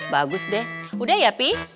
bagus deh udah ya pih